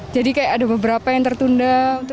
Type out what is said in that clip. jadi kayak ada beberapa yang tertunda